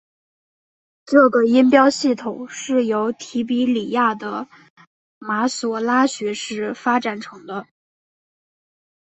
这个音标系统是由提比哩亚的马所拉学士发展成的。